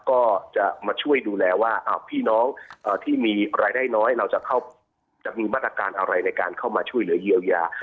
ก็จะมาช่วยดูแลว่าพี่น้องที่มีรายได้น้อยเราจะมีมาตรการอะไรในการเข้ามาช่วยเหลือเยียวยา